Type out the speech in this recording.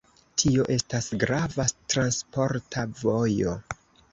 Tio estas grava transporta vojo.